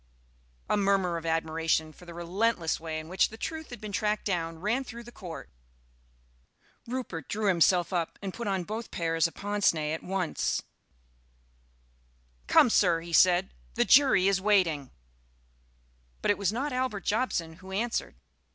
A murmur of admiration for the relentless way in which the truth had been tracked down ran through the Court. Rupert drew himself up and put on both pairs of pince nez at once. "Come, Sir!" he said; "the jury is waiting." But it was not Albert Jobson who answered.